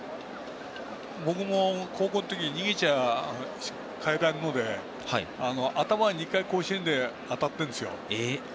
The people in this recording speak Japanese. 僕も高校の時逃げちゃいけないので頭２回甲子園で当たっているんですよ。